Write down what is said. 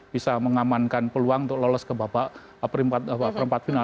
bisa mengamankan peluang untuk lolos ke babak perempat final